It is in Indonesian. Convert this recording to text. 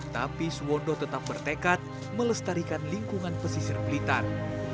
tapi suwondo tetap bertekad melestarikan lingkungan pesisir blitar